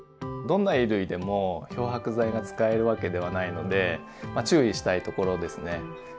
どんな衣類でも漂白剤が使えるわけではないのでまあ注意したいところですね。